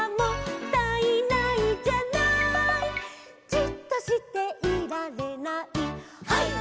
「じっとしていられない」「」